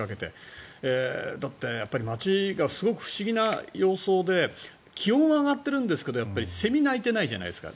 街がすごく不思議な様相で気温は上がってるんですけどセミが鳴いてないじゃないですか